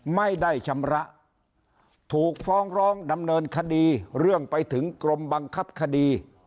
ไม่ได้ชำระถูกฟ้องร้องดำเนินคดีเรื่องไปถึงกรมบังคับคดี